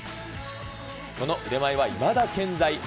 その腕前はいまだ健在。